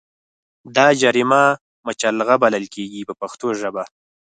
دا جریمه مچلغه بلل کېږي په پښتو ژبه.